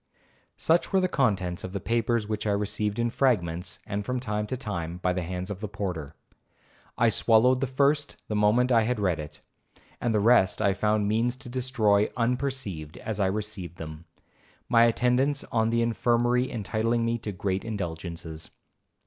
'Such were the contents of the papers which I received in fragments, and from time to time, by the hands of the porter. I swallowed the first the moment I had read it, and the rest I found means to destroy unperceived as I received them,—my attendance on the infirmary entitling me to great indulgences.'